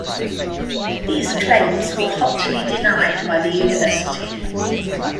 These claims were hotly denied by the university.